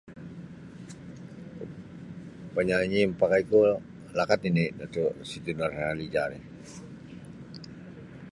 Panyanyi mapakaiku lakat nini' Datuk Siti Nurhalijah ri.